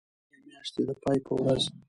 د هری میاشتی د پای په ورځ